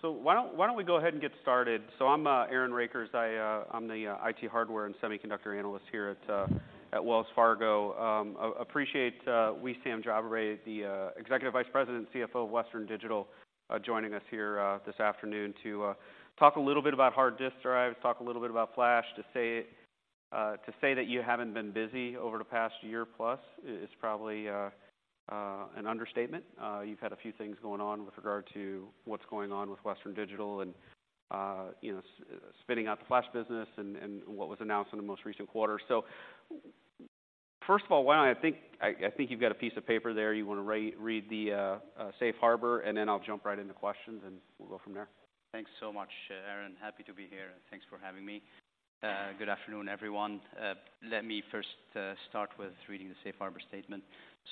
So why don't we go ahead and get started? So I'm Aaron Rakers. I'm the IT hardware and semiconductor analyst here at Wells Fargo. I appreciate Wissam Jabre, the Executive Vice President and CFO of Western Digital, joining us here this afternoon to talk a little bit about hard disk drives, talk a little bit about flash. To say that you haven't been busy over the past year plus is probably an understatement. You've had a few things going on with regard to what's going on with Western Digital and, you know, spinning out the flash business and what was announced in the most recent quarter. So first of all, I think you've got a piece of paper there. You want to read the safe harbor, and then I'll jump right into questions, and we'll go from there. Thanks so much, Aaron. Happy to be here, and thanks for having me. Good afternoon, everyone. Let me first start with reading the safe harbor statement.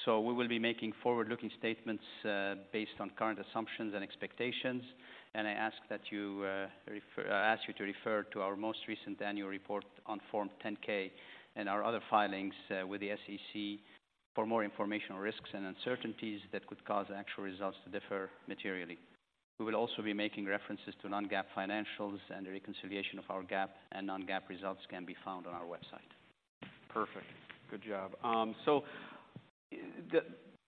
So we will be making forward-looking statements based on current assumptions and expectations, and I ask you to refer to our most recent annual report on Form 10-K and our other filings with the SEC for more information on risks and uncertainties that could cause actual results to differ materially. We will also be making references to non-GAAP financials, and the reconciliation of our GAAP and non-GAAP results can be found on our website. Perfect. Good job. So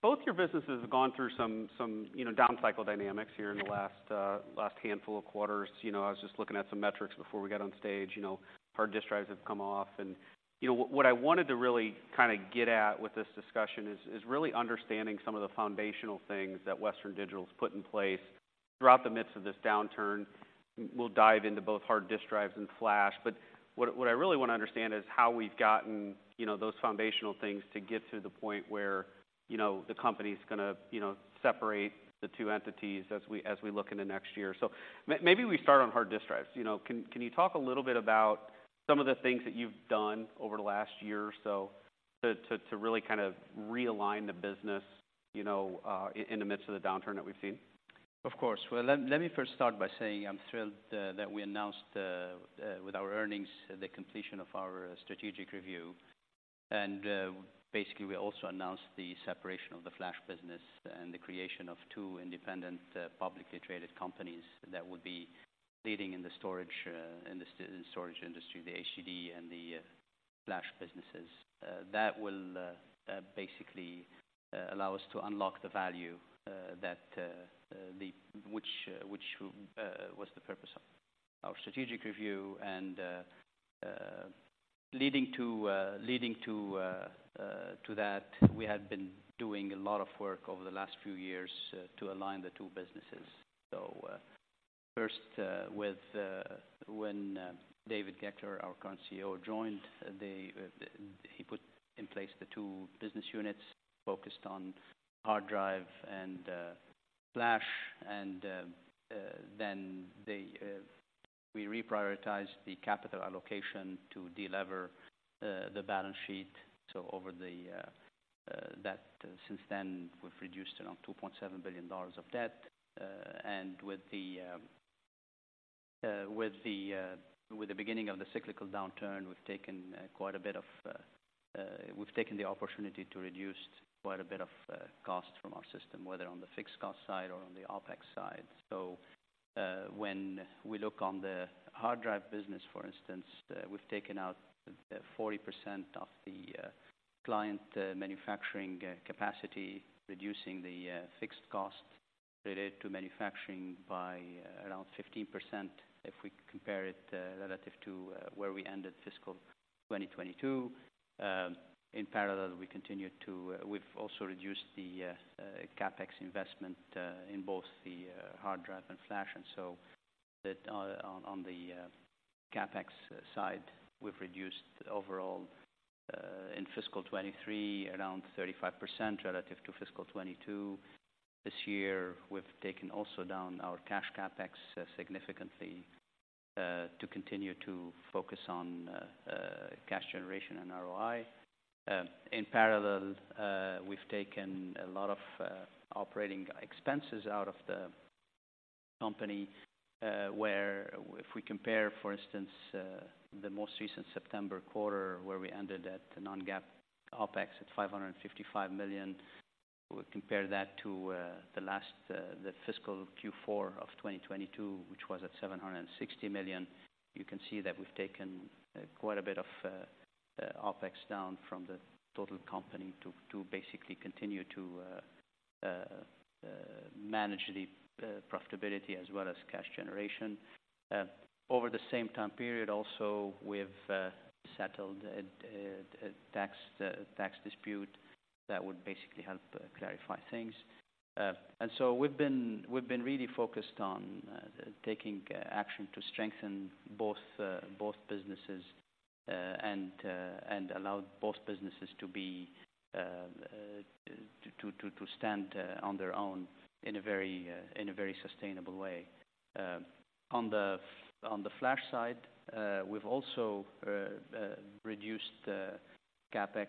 both your businesses have gone through some, you know, down cycle dynamics here in the last handful of quarters. You know, I was just looking at some metrics before we got on stage. You know, hard disk drives have come off, and, you know, what I wanted to really kind of get at with this discussion is really understanding some of the foundational things that Western Digital's put in place throughout the midst of this downturn. We'll dive into both hard disk drives and flash, but what I really want to understand is how we've gotten, you know, those foundational things to get to the point where, you know, the company's going to, you know, separate the two entities as we look in the next year. So maybe we start on hard disk drives. You know, can you talk a little bit about some of the things that you've done over the last year or so to really kind of realign the business, you know, in the midst of the downturn that we've seen? Of course. Well, let me first start by saying I'm thrilled that we announced with our earnings the completion of our strategic review. Basically, we also announced the separation of the flash business and the creation of two independent publicly traded companies that would be leading in the storage industry, the HDD and the flash businesses. That will basically allow us to unlock the value, which was the purpose of our strategic review, and leading to that, we had been doing a lot of work over the last few years to align the two businesses. So, first, when David Goeckeler, our current CEO, joined, he put in place the two business units focused on hard drive and flash. And then we reprioritized the capital allocation to delever the balance sheet. So since then, we've reduced around $2.7 billion of debt. And with the beginning of the cyclical downturn, we've taken the opportunity to reduce quite a bit of cost from our system, whether on the fixed cost side or on the OpEx side. So, when we look on the hard drive business, for instance, we've taken out 40% of the client manufacturing capacity, reducing the fixed cost related to manufacturing by around 15% if we compare it relative to where we ended fiscal 2022. In parallel, we've also reduced the CapEx investment in both the hard drive and flash. And so that, on the CapEx side, we've reduced overall in fiscal 2023, around 35% relative to fiscal 2022. This year, we've taken also down our cash CapEx significantly to continue to focus on cash generation and ROI. In parallel, we've taken a lot of operating expenses out of the company, where if we compare, for instance, the most recent September quarter, where we ended at the non-GAAP OpEx at $555 million, we compare that to the fiscal Q4 of 2022, which was at $760 million. You can see that we've taken quite a bit of OpEx down from the total company to basically continue to manage the profitability as well as cash generation. Over the same time period also, we've settled a tax dispute that would basically help clarify things. And so we've been really focused on taking action to strengthen both businesses and allow both businesses to stand on their own in a very sustainable way. On the flash side, we've also reduced the CapEx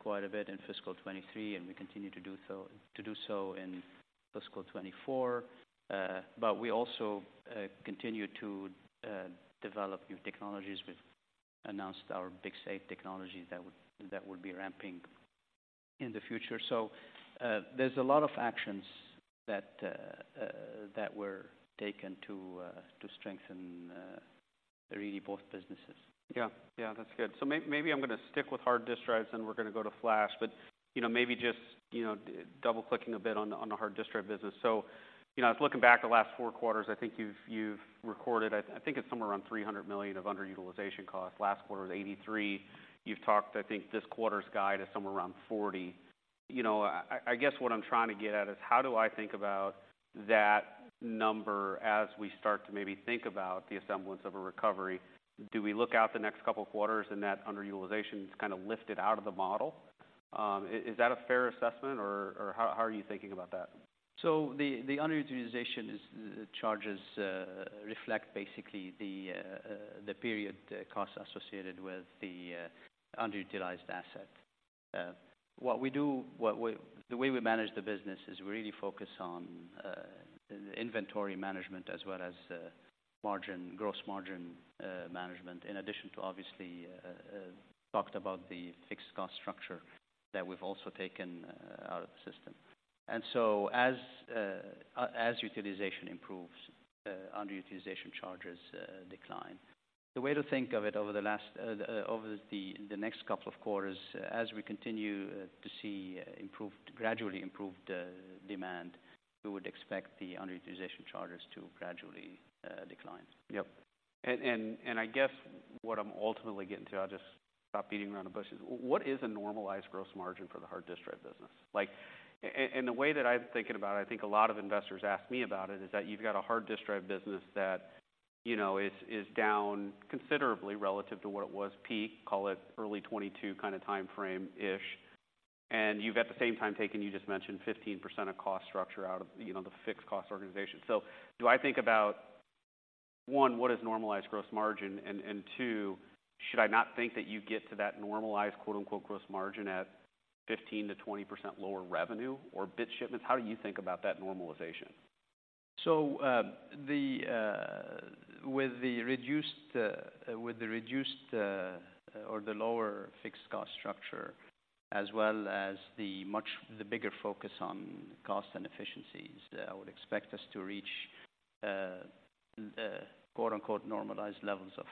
quite a bit in fiscal 2023, and we continue to do so in fiscal 2024. But we also continue to develop new technologies. We've announced our BiCS8 technology that would be ramping in the future. So, there's a lot of actions that were taken to strengthen really both businesses. Yeah. Yeah, that's good. So maybe I'm going to stick with hard disk drives, and we're going to go to flash. But, you know, maybe just, you know, double-clicking a bit on the hard disk drive business. So, you know, I was looking back at the last four quarters. I think you've recorded, I think it's somewhere around $300 million of underutilization costs. Last quarter was $83 million. You've talked, I think this quarter's guide is somewhere around $40 million. You know, I guess what I'm trying to get at is how do I think about that number as we start to maybe think about the semblance of a recovery? Do we look out the next couple of quarters and that underutilization is kind of lifted out of the model? Is that a fair assessment, or how are you thinking about that? So the underutilization charges reflect basically the period costs associated with the underutilized asset. The way we manage the business is we really focus on inventory management as well as margin, gross margin, management, in addition to obviously talked about the fixed cost structure that we've also taken out of the system. And so as utilization improves, underutilization charges decline. The way to think of it over the next couple of quarters, as we continue to see improved, gradually improved, demand, we would expect the underutilization charges to gradually decline. Yep. And, and, and I guess what I'm ultimately getting to, I'll just stop beating around the bush, is what is a normalized gross margin for the hard disk drive business? Like, and, and the way that I'm thinking about it, I think a lot of investors ask me about it, is that you've got a hard disk drive business that, you know, is, is down considerably relative to what it was peak, call it early 2022 kind of time frame-ish. And you've at the same time taken, you just mentioned 15% of cost structure out of, you know, the fixed cost organization. So do I think about, one, what is normalized gross margin? And, and two, should I not think that you get to that normalized, quote-unquote, gross margin at 15%-20% lower revenue or bit shipments? How do you think about that normalization? So, with the reduced or the lower fixed cost structure, as well as the bigger focus on cost and efficiencies, I would expect us to reach quote-unquote normalized levels of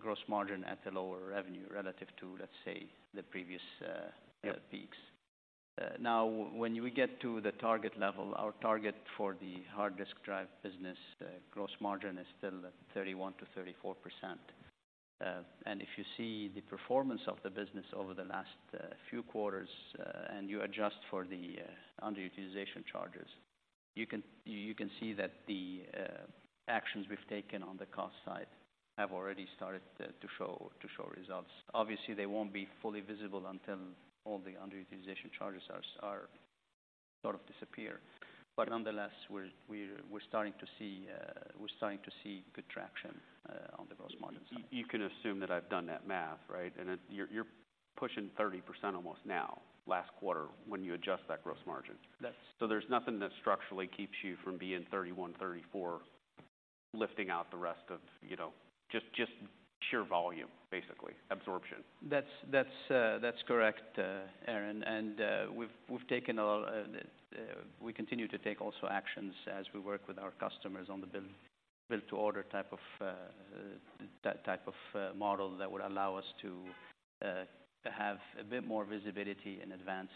gross margin at the lower revenue relative to, let's say, the previous- Yep... peaks. Now, when we get to the target level, our target for the hard disk drive business, gross margin is still at 31%-34%. And if you see the performance of the business over the last few quarters, and you adjust for the underutilization charges, you can see that the actions we've taken on the cost side have already started to show results. Obviously, they won't be fully visible until all the underutilization charges are sort of disappear. But nonetheless, we're starting to see good traction on the gross margin side. You can assume that I've done that math, right? And it... You're pushing 30% almost now, last quarter, when you adjust that gross margin. That's- So there's nothing that structurally keeps you from being 31, 34, lifting out the rest of, you know, just, just sheer volume, basically, absorption. That's correct, Aaron. And we've taken a lot, we continue to take also actions as we work with our customers on the build-to-order type of model that would allow us to have a bit more visibility in advance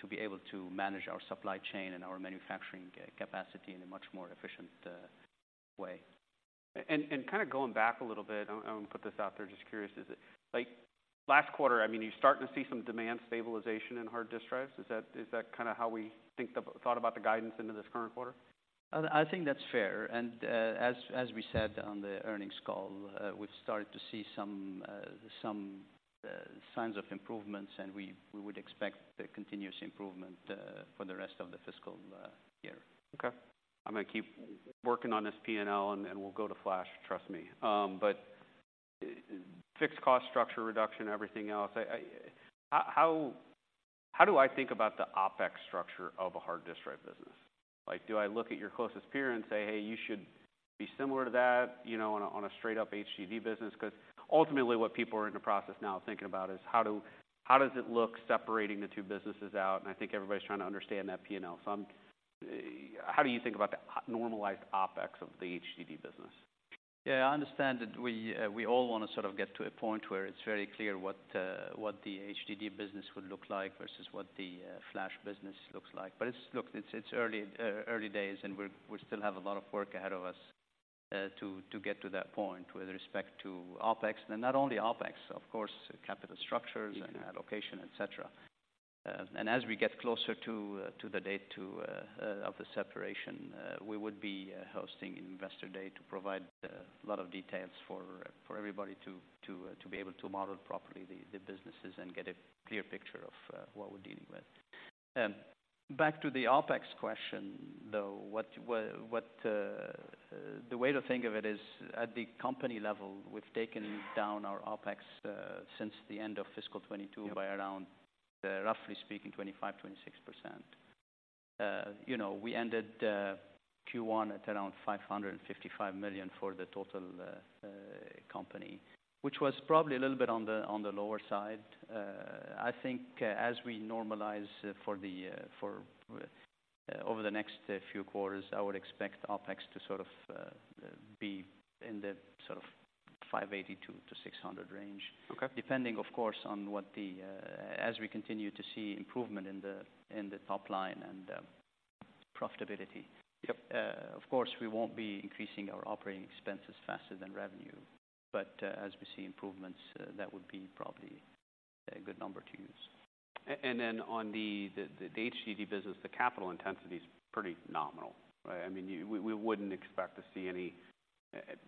to be able to manage our supply chain and our manufacturing capacity in a much more efficient way. Kind of going back a little bit, I want to put this out there. Just curious, is it like last quarter, I mean, are you starting to see some demand stabilization in hard disk drives? Is that kind of how we thought about the guidance into this current quarter? I think that's fair, and, as we said on the earnings call, we've started to see some signs of improvements, and we would expect a continuous improvement for the rest of the fiscal year. Okay. I'm going to keep working on this P&L, and we'll go to flash, trust me. But fixed cost structure, reduction, everything else, I... How do I think about the OpEx structure of a hard disk drive business? Like, do I look at your closest peer and say: Hey, you should be similar to that, you know, on a straight-up HDD business? Because ultimately, what people are in the process now of thinking about is how does it look separating the two businesses out? And I think everybody's trying to understand that P&L. So how do you think about the normalized OpEx of the HDD business? Yeah, I understand that we, we all want to sort of get to a point where it's very clear what, what the HDD business would look like versus what the, flash business looks like. But it's... Look, it's, it's early, early days, and we're, we still have a lot of work ahead of us, to, to get to that point with respect to OpEx. And not only OpEx, of course, capital structures- Mm-hmm... and allocation, et cetera. And as we get closer to the date of the separation, we would be hosting Investor Day to provide a lot of details for everybody to be able to model properly the businesses and get a clear picture of what we're dealing with. Back to the OpEx question, though. The way to think of it is, at the company level, we've taken down our OpEx since the end of fiscal 2022- Yep... by around, roughly speaking, 25%-26%.... you know, we ended Q1 at around $555 million for the total company, which was probably a little bit on the, on the lower side. I think, as we normalize for the, for, over the next few quarters, I would expect OpEx to sort of be in the sort of $582 million-$600 million range. Okay. Depending, of course, on what the. As we continue to see improvement in the top line and profitability. Yep. Of course, we won't be increasing our operating expenses faster than revenue, but, as we see improvements, that would be probably a good number to use. And then on the HDD business, the capital intensity is pretty nominal, right? I mean, we wouldn't expect to see any,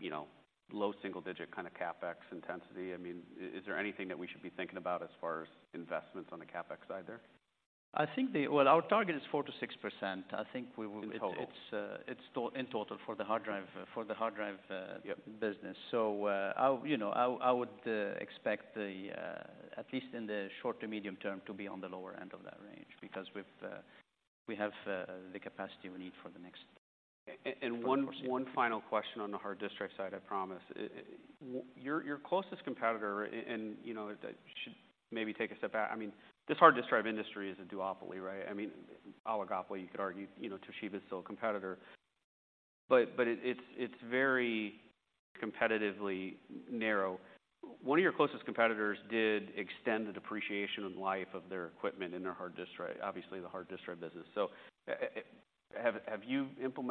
you know, low single digit kind of CapEx intensity. I mean, is there anything that we should be thinking about as far as investments on the CapEx side there? I think—well, our target is 4%-6%. I think we will- In total. It's, it's in total for the hard drive, for the hard drive. Yep... business. So, I'll, you know, I, I would expect the, at least in the short to medium term, to be on the lower end of that range, because we've, we have, the capacity we need for the next- One final question on the hard disk drive side, I promise. Your closest competitor, you know, that should maybe take a step back. I mean, this hard disk drive industry is a duopoly, right? I mean, oligopoly, you could argue, you know, Toshiba is still a competitor, but it, it's very competitively narrow. One of your closest competitors did extend the depreciation and life of their equipment in their hard disk drive, obviously, the hard disk drive business. So, have you? Do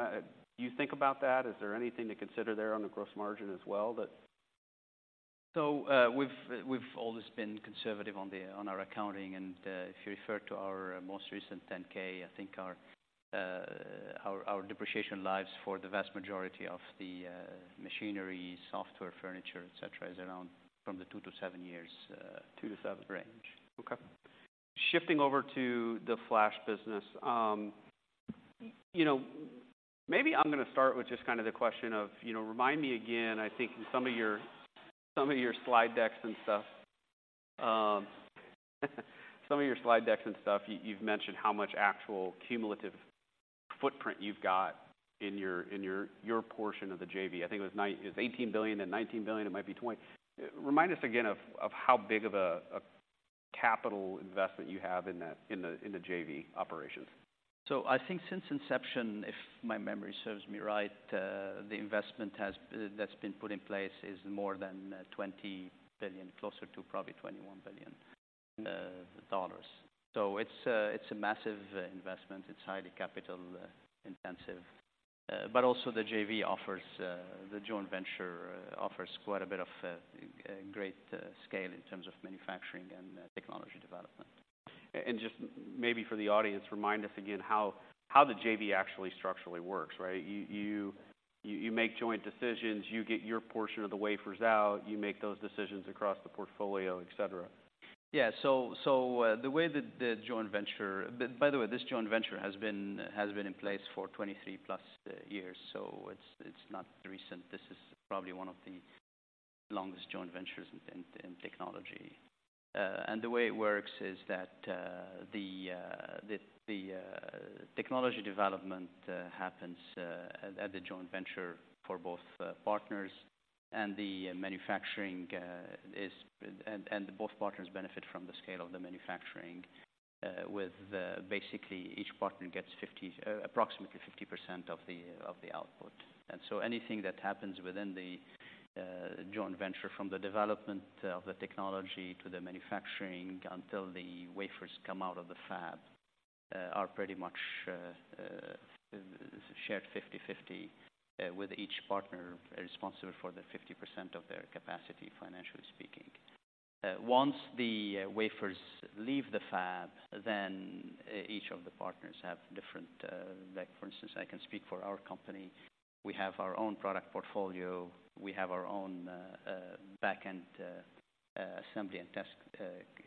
you think about that? Is there anything to consider there on the gross margin as well? So, we've always been conservative on our accounting, and if you refer to our most recent 10-K, I think our depreciation lives for the vast majority of the machinery, software, furniture, et cetera, is around from the 2-7 years, 2-7 range. Okay. Shifting over to the flash business. You know, maybe I'm gonna start with just kind of the question of, you know, remind me again. I think in some of your slide decks and stuff, you've mentioned how much actual cumulative footprint you've got in your portion of the JV. I think it was nine- it was $18 billion and $19 billion, it might be $20 billion. Remind us again of how big of a capital investment you have in that, in the JV operations. I think since inception, if my memory serves me right, the investment that's been put in place is more than $20 billion, closer to probably $21 billion. It's a massive investment. It's highly capital intensive. But also the JV offers, the joint venture, offers quite a bit of great scale in terms of manufacturing and technology development. Just maybe for the audience, remind us again how the JV actually structurally works, right? You make joint decisions, you get your portion of the wafers out, you make those decisions across the portfolio, et cetera. Yeah. So, the way the joint venture... By the way, this joint venture has been in place for 23+ years, so it's not recent. This is probably one of the longest joint ventures in technology. And the way it works is that, the technology development happens at the joint venture for both partners, and the manufacturing is... And both partners benefit from the scale of the manufacturing, with basically each partner gets 50, approximately 50% of the output. Anything that happens within the joint venture, from the development of the technology to the manufacturing, until the wafers come out of the fab, are pretty much shared 50/50, with each partner responsible for the 50% of their capacity, financially speaking. Once the wafers leave the fab, each of the partners have different. Like, for instance, I can speak for our company. We have our own product portfolio, we have our own backend assembly and test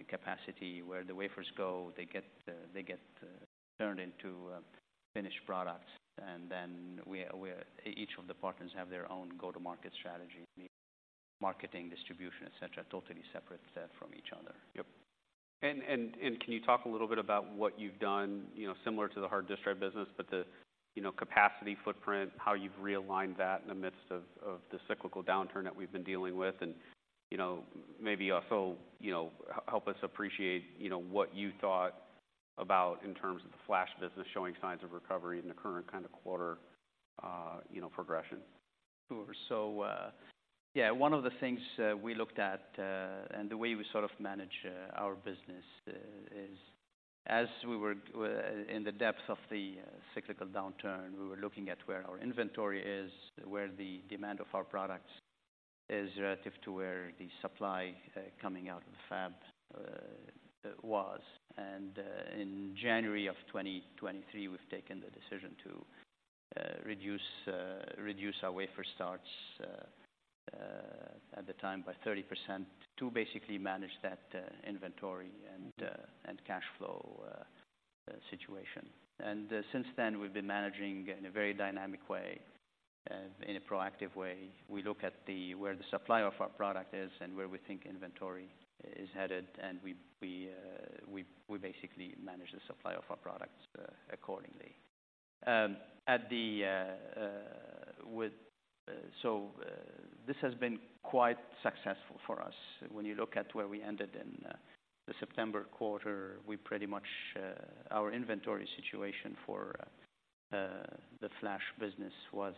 capacity, where the wafers go, they get turned into finished products, and then each of the partners have their own go-to-market strategy, marketing, distribution, et cetera, totally separate from each other. Yep. And can you talk a little bit about what you've done, you know, similar to the hard disk drive business, but the, you know, capacity footprint, how you've realigned that in the midst of the cyclical downturn that we've been dealing with? And, you know, maybe also, you know, help us appreciate, you know, what you thought about in terms of the flash business showing signs of recovery in the current kind of quarter progression. Sure. So, yeah, one of the things we looked at, and the way we sort of manage our business, is as we were in the depths of the cyclical downturn, we were looking at where our inventory is, where the demand of our products is relative to where the supply coming out of the fab was. And, in January of 2023, we've taken the decision to reduce our wafer starts, at the time, by 30% to basically manage that inventory and cash flow situation. And, since then, we've been managing in a very dynamic way.... in a proactive way. We look at where the supply of our product is and where we think inventory is headed, and we basically manage the supply of our products accordingly. This has been quite successful for us. When you look at where we ended in the September quarter, we pretty much our inventory situation for the flash business was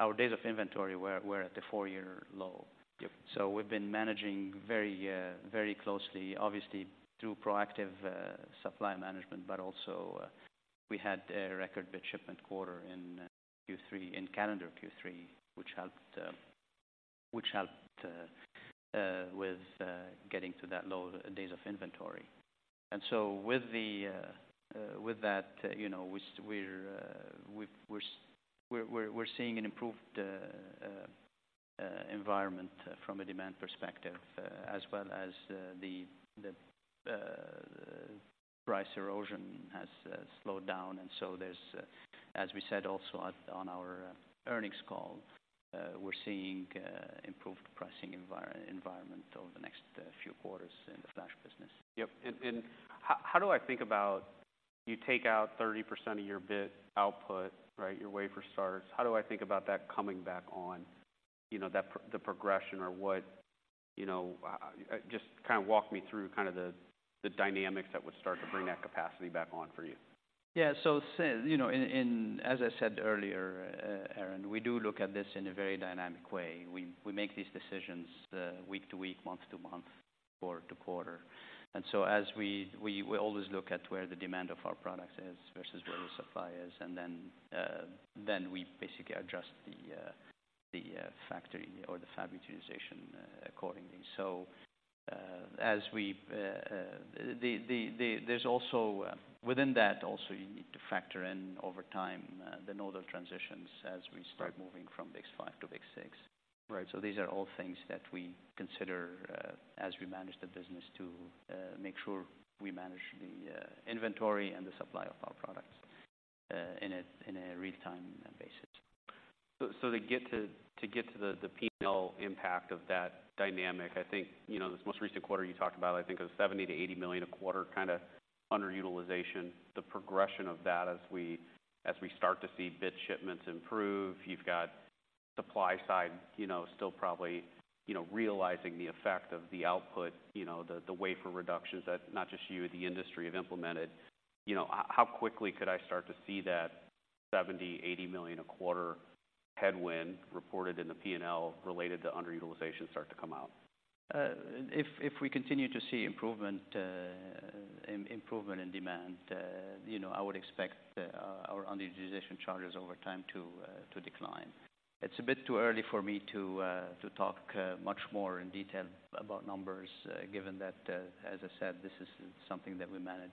our days of inventory were at the four-year low. Yep. So we've been managing very, very closely, obviously through proactive supply management, but also, we had a record bit shipment quarter in Q3, in calendar Q3, which helped with getting to that low days of inventory. And so with that, you know, we're seeing an improved environment from a demand perspective, as well as the price erosion has slowed down. And so there's, as we said also on our earnings call, we're seeing improved pricing environment over the next few quarters in the flash business. Yep, and how do I think about you take out 30% of your bit output, right? Your wafer starts. How do I think about that coming back on, you know, the progression or what, you know, just kind of walk me through kind of the dynamics that would start to bring that capacity back on for you. Yeah. So, you know, as I said earlier, Aaron, we do look at this in a very dynamic way. We make these decisions week to week, month to month, quarter to quarter. So as we always look at where the demand of our product is versus where the supply is, and then we basically adjust the factory or the fab utilization accordingly. So, there's also, within that, also you need to factor in over time the node transitions as we- Right... start moving from BiCS5 to BiCS6. Right. So these are all things that we consider as we manage the business to make sure we manage the inventory and the supply of our products in a real-time basis. So, to get to the P&L impact of that dynamic, I think, you know, this most recent quarter you talked about, I think, a $70-$80 million a quarter kind of underutilization. The progression of that as we start to see bit shipments improve, you've got supply side, you know, still probably, you know, realizing the effect of the output, you know, the wafer reductions that not just you, the industry have implemented. You know, how quickly could I start to see that $70, $80 million a quarter headwind reported in the P&L related to underutilization start to come out? If, if we continue to see improvement, improvement in demand, you know, I would expect, our underutilization charges over time to, to decline. It's a bit too early for me to, to talk, much more in detail about numbers, given that, as I said, this is something that we manage,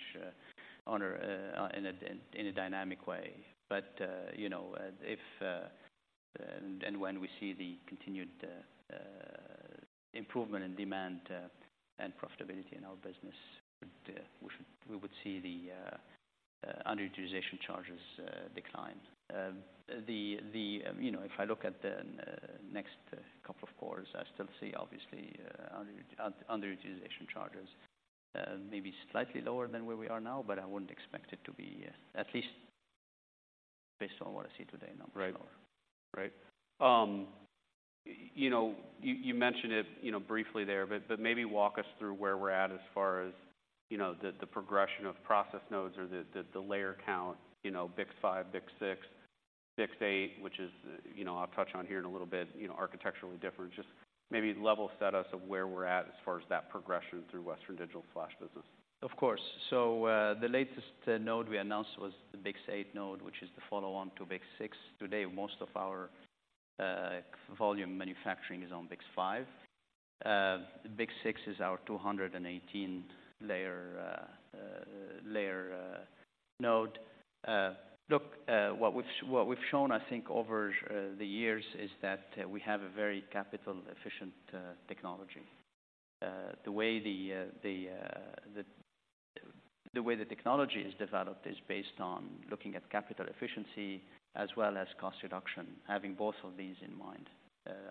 in a dynamic way. But, you know, if, and when we see the continued, improvement in demand, and profitability in our business, we should, we would see the, underutilization charges, decline. The, the, you know, if I look at the next couple of quarters, I still see obviously underutilization charges, maybe slightly lower than where we are now, but I wouldn't expect it to be, at least based on what I see today, no. Right. You know, you mentioned it briefly there, but maybe walk us through where we're at as far as the progression of process nodes or the layer count, you know, BiCS5, BiCS6, BiCS8, which is, you know, I'll touch on here in a little bit, architecturally different. Just maybe level set us on where we're at as far as that progression through Western Digital's flash business. Of course. So, the latest node we announced was the BiCS8 node, which is the follow-on to BiCS6. Today, most of our volume manufacturing is on BiCS5. BiCS6 is our 218-layer node. Look, what we've shown, I think, over the years is that we have a very capital-efficient technology. The way the technology is developed is based on looking at capital efficiency as well as cost reduction, having both of these in mind.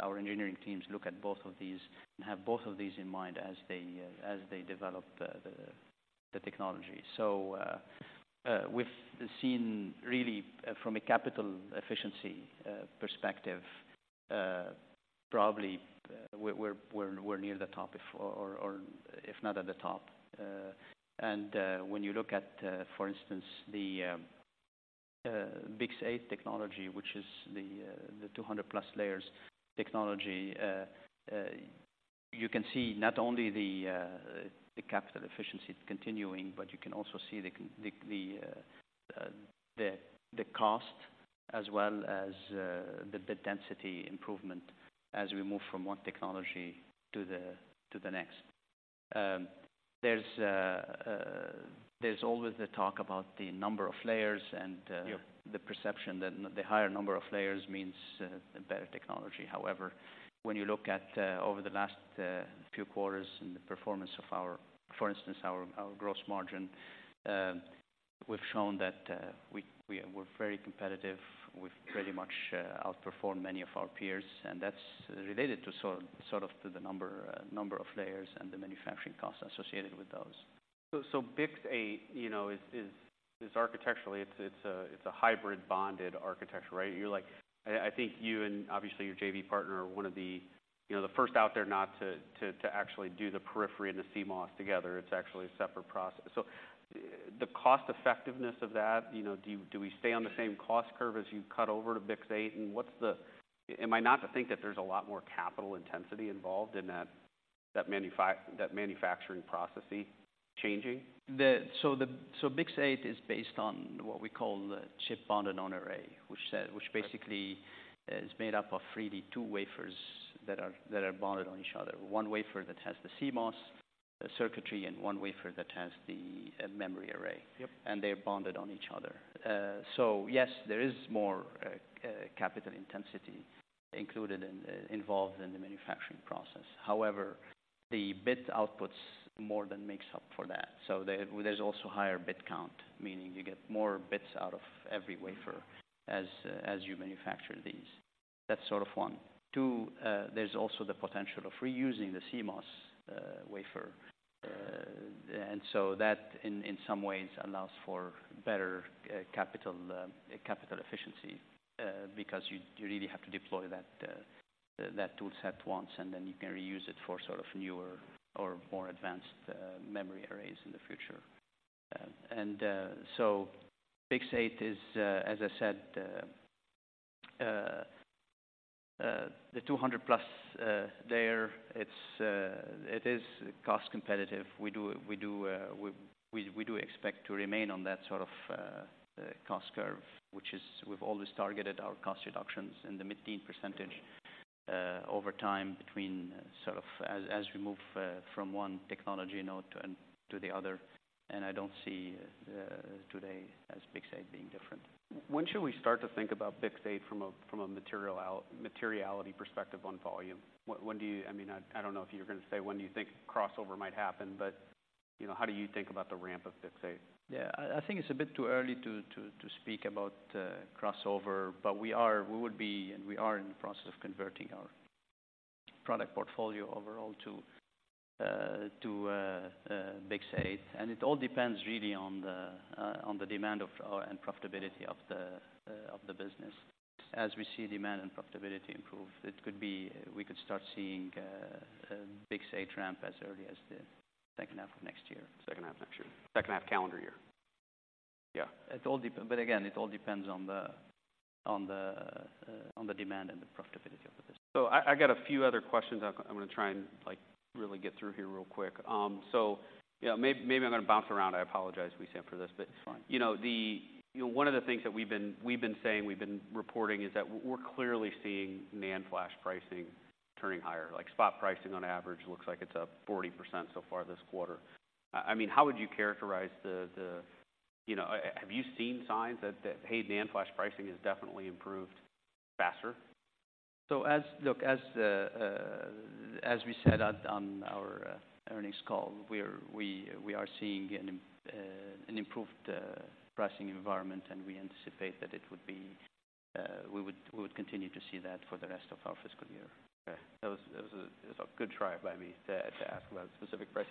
Our engineering teams look at both of these and have both of these in mind as they develop the technology. We've seen really from a capital efficiency perspective, probably we're near the top, if not at the top. When you look at, for instance, the BiCS8 technology, which is the 200+ layers technology, you can see not only the capital efficiency continuing, but you can also see the cost as well as the density improvement as we move from one technology to the next. There's always the talk about the number of layers and Yep... the perception that the higher number of layers means a better technology. However, when you look at over the last few quarters and the performance of our, for instance, our gross margin... we've shown that we are very competitive. We've pretty much outperformed many of our peers, and that's related to sort of the number of layers and the manufacturing costs associated with those. So, BiCS8, you know, is architecturally, it's a hybrid bonded architecture, right? You're like, I think you and obviously your JV partner are one of the, you know, the first out there not to actually do the periphery and the CMOS together. It's actually a separate process. So the cost effectiveness of that, you know, do we stay on the same cost curve as you cut over to BiCS8? And what's the am I not to think that there's a lot more capital intensity involved in that manufacturing processes changing? BiCS8 is based on what we call the chip bonded on array, which, Right. Which basically is made up of really two wafers that are bonded on each other. One wafer that has the CMOS, the circuitry, and one wafer that has the memory array. Yep. They're bonded on each other. So yes, there is more capital intensity involved in the manufacturing process. However, the bit outputs more than makes up for that. So there's also higher bit count, meaning you get more bits out of every wafer as you manufacture these. That's sort of one. Two, there's also the potential of reusing the CMOS wafer. And so that in some ways allows for better capital efficiency, because you really have to deploy that toolset once, and then you can reuse it for sort of newer or more advanced memory arrays in the future. And so BiCS8 is, as I said, the 200+ there. It is cost competitive. We do expect to remain on that sort of cost curve, which is we've always targeted our cost reductions in the mid-teens %, over time, between as we move from one technology node to the other, and I don't see today as BiCS8 being different. When should we start to think about BiCS8 from a materiality perspective on volume? I mean, I don't know if you're going to say when you think crossover might happen, but, you know, how do you think about the ramp of BiCS8? Yeah, I think it's a bit too early to speak about crossover, but we are, we would be and we are in the process of converting our product portfolio overall to BiCS8. And it all depends really on the demand and profitability of the business. As we see demand and profitability improve, it could be, we could start seeing BiCS8 ramp as early as the second half of next year. Second half next year. Second half calendar year? Yeah. It all depends, but again, it all depends on the demand and the profitability of the business. So I got a few other questions I want to try and, like, really get through here real quick. So, yeah, maybe I'm going to bounce around. I apologize, Wissam, for this, but- It's fine. You know, the, you know, one of the things that we've been, we've been saying, we've been reporting, is that we're clearly seeing NAND flash pricing turning higher. Like, spot pricing on average looks like it's up 40% so far this quarter. I mean, how would you characterize the, the, you know, have you seen signs that, that, "Hey, NAND flash pricing has definitely improved faster? So, as we said on our earnings call, we are seeing an improved pricing environment, and we anticipate that we would continue to see that for the rest of our fiscal year. Okay. That was a good try by me to ask about specific price.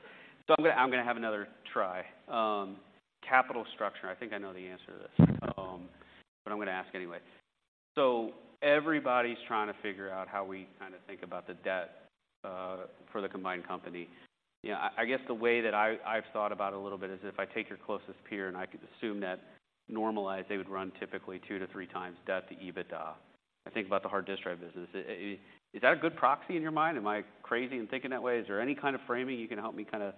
So I'm gonna have another try. Capital structure, I think I know the answer to this, but I'm gonna ask anyway. So everybody's trying to figure out how we kind of think about the debt for the combined company. You know, I guess the way that I've thought about it a little bit is if I take your closest peer, and I could assume that normalized, they would run typically 2-3 times debt to EBITDA. I think about the hard disk drive business. Is that a good proxy in your mind? Am I crazy in thinking that way? Is there any kind of framing you can help me kind of,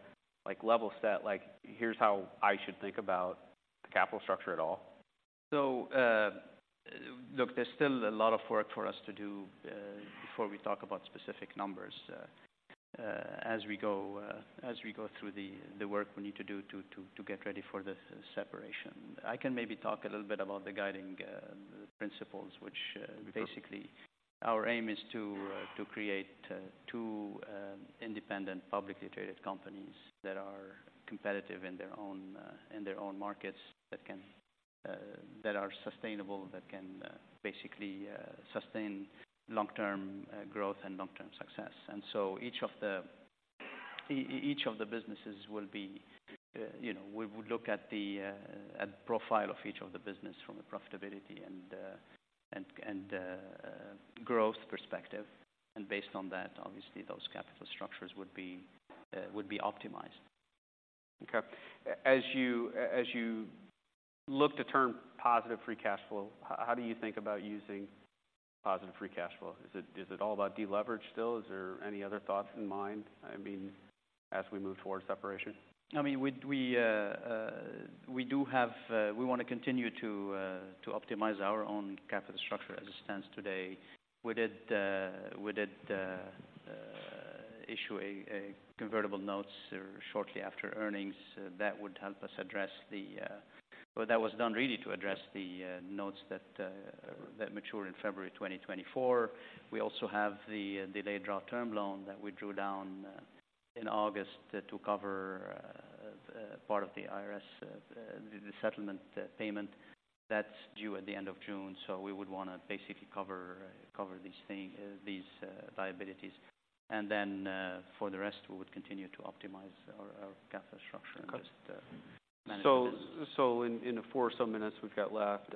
like, level set, like, here's how I should think about the capital structure at all? So, look, there's still a lot of work for us to do before we talk about specific numbers, as we go through the work we need to do to get ready for the separation. I can maybe talk a little bit about the guiding principles, which basically our aim is to create two independent, publicly traded companies that are competitive in their own markets, that are sustainable, that can basically sustain long-term growth and long-term success. And so each of the businesses will be, you know, we would look at the profile of each of the business from a profitability and growth perspective. Based on that, obviously, those capital structures would be optimized. Okay. As you look to turn positive free cash flow, how do you think about using positive free cash flow? Is it all about deleverage still? Is there any other thoughts in mind, I mean, as we move toward separation? I mean, we do have, we want to continue to optimize our own capital structure as it stands today. We did, we did issue a convertible notes shortly after earnings. That would help us address the. Well, that was done really to address the notes that that mature in February 2024. We also have the delayed draw term loan that we drew down in August to cover part of the IRS the settlement payment that's due at the end of June. So we would want to basically cover, cover these thing, these liabilities. And then, for the rest, we would continue to optimize our, our cash structure and just manage it. So in the four or so minutes we've got left,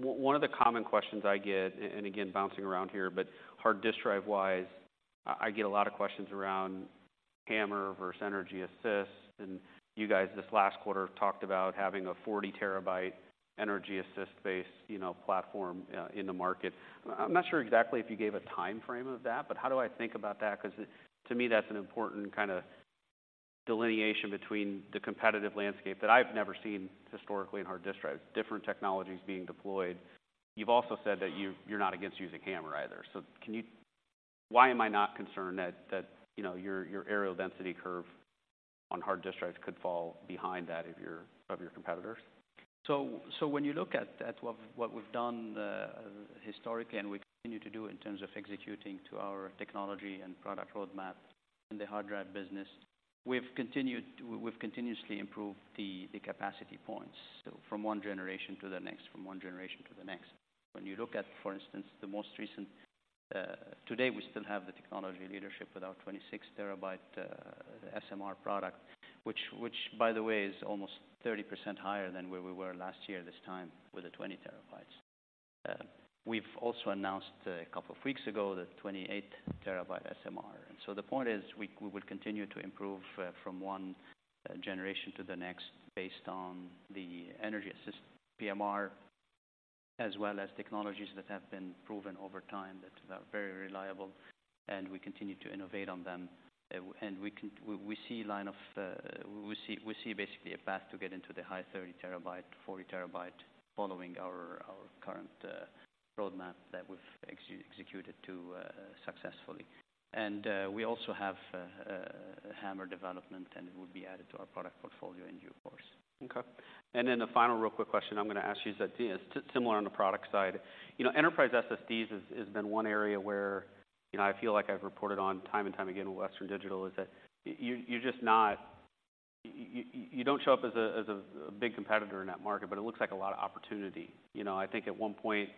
one of the common questions I get, and again, bouncing around here, but hard disk drive-wise, I get a lot of questions around HAMR versus energy assist. And you guys, this last quarter, talked about having a 40 TB energy assist-based, you know, platform in the market. I'm not sure exactly if you gave a timeframe of that, but how do I think about that? Because to me, that's an important kind of delineation between the competitive landscape that I've never seen historically in hard disk drives, different technologies being deployed. You've also said that you're not against using HAMR either. So can you— Why am I not concerned that, you know, your areal density curve on hard disk drives could fall behind that of your competitors? So, when you look at what we've done historically, and we continue to do in terms of executing to our technology and product roadmap in the hard drive business, we've continued—we've continuously improved the capacity points, so from one generation to the next, from one generation to the next. When you look at, for instance, the most recent. Today, we still have the technology leadership with our 26 TB SMR product, which, by the way, is almost 30% higher than where we were last year this time with the 20 TB. We've also announced a couple of weeks ago the 28 TB SMR. The point is, we will continue to improve from one generation to the next, based on the energy assist PMR, as well as technologies that have been proven over time that are very reliable, and we continue to innovate on them. We see basically a path to get into the high 30 TB, 40 TB, following our current roadmap that we've executed successfully. We also have a HAMR development, and it will be added to our product portfolio in due course. Okay. And then the final, real quick question I'm going to ask you is that, similar on the product side, you know, enterprise SSDs has been one area where, you know, I feel like I've reported on time and time again with Western Digital, is that you're just not you don't show up as a big competitor in that market, but it looks like a lot of opportunity. You know, I think at one point,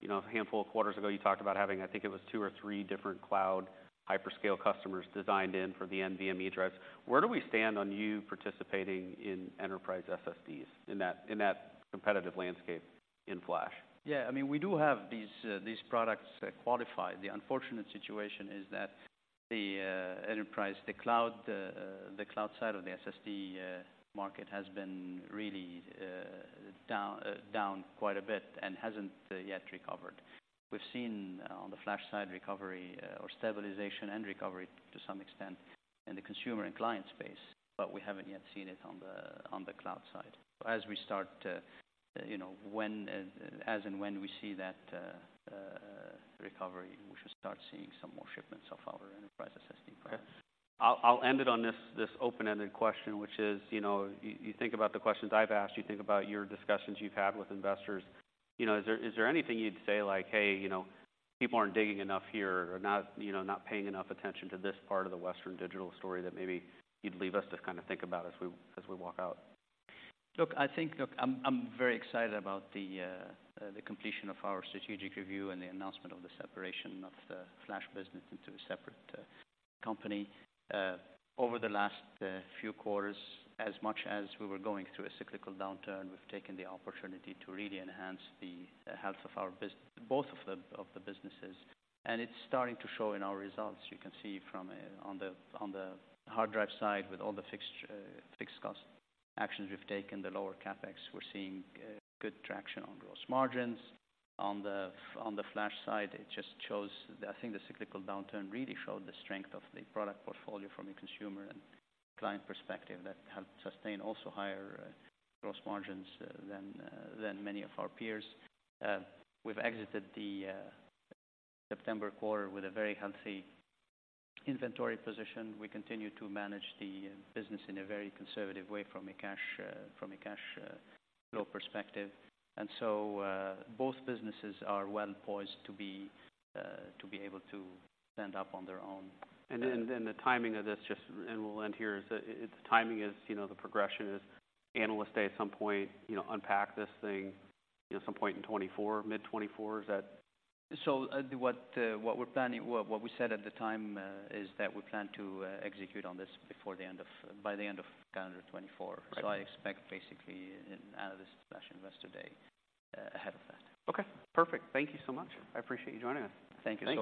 you know, a handful of quarters ago, you talked about having, I think it was two or three different cloud hyperscale customers designed in for the NVMe drives. Where do we stand on you participating in enterprise SSDs, in that competitive landscape in flash? Yeah, I mean, we do have these products qualified. The unfortunate situation is that the enterprise, the cloud side of the SSD market has been really down quite a bit and hasn't yet recovered. We've seen on the flash side recovery or stabilization and recovery to some extent in the consumer and client space, but we haven't yet seen it on the cloud side. As we start, you know, when, as and when we see that recovery, we should start seeing some more shipments of our enterprise SSD product. Okay. I'll end it on this open-ended question, which is, you know, you think about the questions I've asked, you think about your discussions you've had with investors. You know, is there anything you'd say like, "Hey, you know, people aren't digging enough here, or not, you know, not paying enough attention to this part of the Western Digital story," that maybe you'd leave us to kind of think about as we walk out? Look, I think, look, I'm very excited about the completion of our strategic review and the announcement of the separation of the flash business into a separate company. Over the last few quarters, as much as we were going through a cyclical downturn, we've taken the opportunity to really enhance the health of both of the businesses, and it's starting to show in our results. You can see, on the hard drive side, with all the fixed cost actions we've taken, the lower CapEx, we're seeing good traction on gross margins. On the flash side, it just shows, I think the cyclical downturn really showed the strength of the product portfolio from a consumer and client perspective that helped sustain also higher gross margins than many of our peers. We've exited the September quarter with a very healthy inventory position. We continue to manage the business in a very conservative way from a cash flow perspective. And so, both businesses are well poised to be able to stand up on their own. Then the timing of this, just, and we'll end here, is the timing, you know, the progression is analysts say at some point, you know, unpack this thing, you know, some point in 2024, mid-2024. Is that- What we said at the time is that we plan to execute on this before the end of, by the end of calendar 2024. Right. I expect basically out of this flash Investor Day, ahead of that. Okay, perfect. Thank you so much. I appreciate you joining us. Thank you so much.